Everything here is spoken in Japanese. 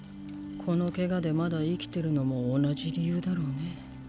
この怪我でまだ生きてるのも同じ理由だろうね。